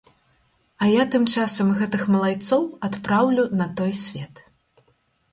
А я тым часам гэтых малайцоў адпраўлю на той свет.